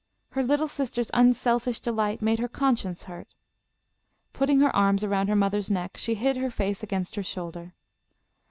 Her little sister's unselfish delight made her conscience hurt. Putting her arms around her mother's neck, she hid her face against her shoulder.